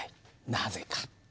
なぜか？